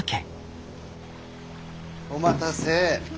お待たせ。